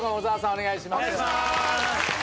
お願いします。